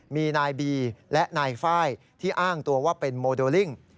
มีนายบีและนายไฟล์ที่อ้างตัวว่าเป็นโมเดลลิ่ง